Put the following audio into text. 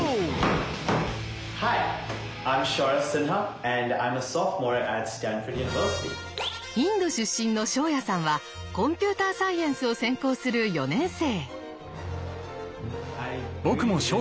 一体インド出身のショーヤさんはコンピューターサイエンスを専攻する４年生。